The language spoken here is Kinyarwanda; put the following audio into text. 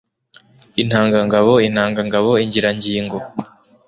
intangangabo intangangabo ingirangingo